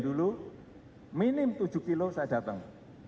dulu minim tujuh kilo saya datang